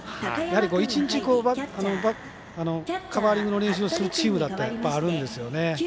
１日、カバーリングの練習をするチームだってあるんですよね。